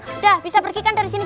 sudah bisa pergi kan dari sini